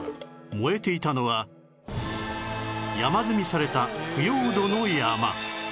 燃えていたのは山積みされた腐葉土の山